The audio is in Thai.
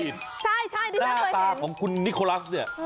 ที่ฉันเหมือนเคยเห็นใช่ที่ฉันเคยเห็นคุณนิโคลัสเนี่ย